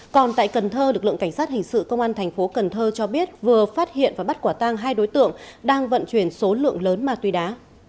còn tại cần thơ lực lượng cảnh sát hình sự công an thành phố cần thơ cho biết vừa phát hiện và bắt quả tang hai đối tượng đang vận chuyển số lượng lớn ma túy đá